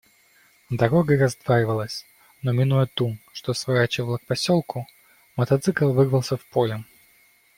Дорога раздваивалась, но, минуя ту, что сворачивала к поселку, мотоцикл вырвался в поле.